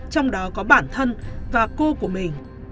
trong đó có bản thân và cô của mình